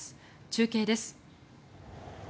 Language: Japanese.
中継です。